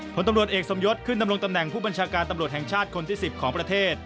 ผลตำรวจเอกสมยศขึ้นดำรงตำแหน่งผู้บัญชาการตำรวจแห่งชาติคนที่๑๐ของประเทศ